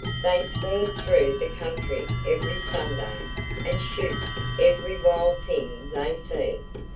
They swarm through the country every Sunday, and shoot every wild thing they see.